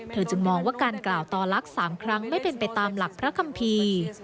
จึงมองว่าการกล่าวต่อลักษณ์๓ครั้งไม่เป็นไปตามหลักพระคัมภีร์